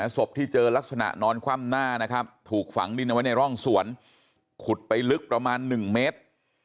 ศพที่เจอลักษณะนอนคว่ำหน้านะครับถูกฝังดินเอาไว้ในร่องสวนขุดไปลึกประมาณ๑เมตร